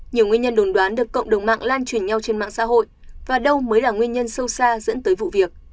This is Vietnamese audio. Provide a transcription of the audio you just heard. nhiều nguyên nhân đồn đoán được cộng đồng mạng lan truyền nhau trên mạng xã hội và đâu mới là nguyên nhân sâu xa dẫn tới vụ việc